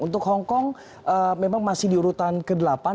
untuk hong kong memang masih diurutan ke delapan